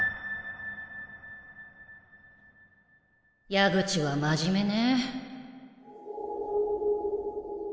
矢口は真面目ね